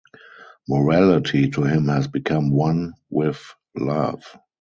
Morality to him has become one with love.